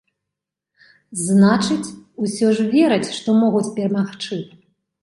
Значыць, усё ж вераць, што могуць перамагчы?